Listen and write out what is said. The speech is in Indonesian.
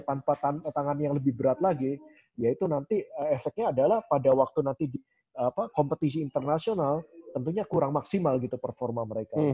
tanpa tangan yang lebih berat lagi ya itu nanti efeknya adalah pada waktu nanti di kompetisi internasional tentunya kurang maksimal gitu performa mereka